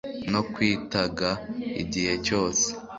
no kwitanga igihe cyose